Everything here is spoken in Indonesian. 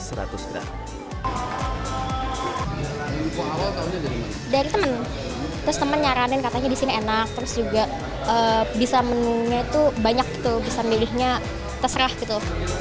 terus temen nyaranin katanya di sini enak terus juga bisa menunggu banyak gitu bisa milihnya terserah gitu